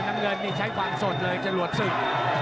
น้ำเงินนี่ใช้ความสดเลยจรวดศึก